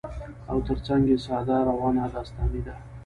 او تر څنګ يې ساده، روانه داستاني ده